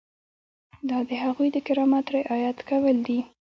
دا د هغوی د کرامت رعایت کول دي.